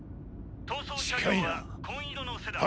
逃走車両は紺色のセダン。